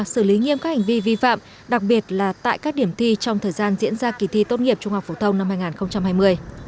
xử lý nghiêm các hành vi vi phạm đặc biệt là tại các điểm thi trong thời gian diễn ra kỳ thi tốt nghiệp trung học phổ thông năm hai nghìn hai mươi